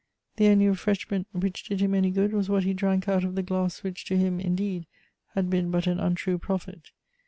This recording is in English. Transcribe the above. The only refresh ment which did him any good was what he drank out of the glass which to him, indeed, had been but an untrue prophet.